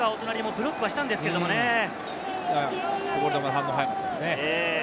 こぼれ球への反応が早かったですね。